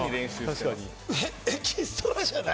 エキストラじゃない？